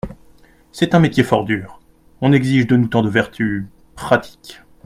C’est un métier fort dur ; On exige de nous tant de vertus… pratiques !